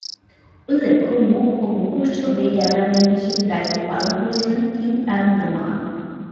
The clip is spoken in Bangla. উল্লেখ্য, ‘মুখ ও মুখোশ’ ছবির ক্যামেরাম্যান হিসেবে দায়িত্ব পালন করেছিলেন কিউ এম জামান।